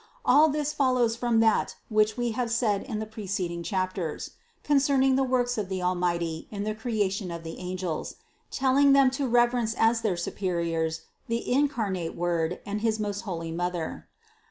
All this follows from that which We have said in the preceding chapters (VII, VIII) concerning the works of the Almighty in the creation of the angels, telling them to reverence as their superiors the incarnate Word and his most holy Mother.